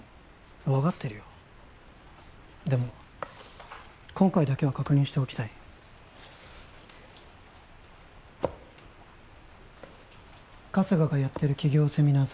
分かってるよでも今回だけは確認しておきたい春日がやってる起業セミナー